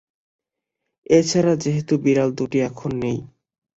তা ছাড়া যেহেতু বিড়াল দুটিও এখন নেই।